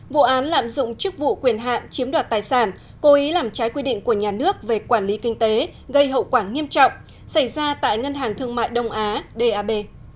vụ án lạm dụng chức vụ quyền hạn chiếm đoạt tài sản cố ý làm trái quy định của nhà nước về quản lý kinh tế gây hậu quả nghiêm trọng xảy ra tại ngân hàng thương mại đông á dab